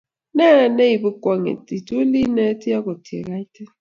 Ne ibu kwong'et ko ituli ineti akot ya kaitit